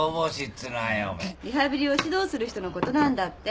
リハビリを指導する人のことなんだって。